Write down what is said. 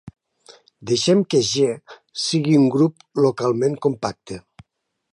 Deixem que "G" sigui un grup localment compacte.